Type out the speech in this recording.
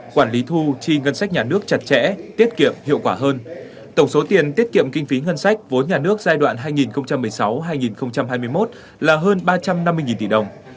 quản lý thu chi ngân sách nhà nước chặt chẽ tiết kiệm hiệu quả hơn tổng số tiền tiết kiệm kinh phí ngân sách vốn nhà nước giai đoạn hai nghìn một mươi sáu hai nghìn hai mươi một là hơn ba trăm năm mươi tỷ đồng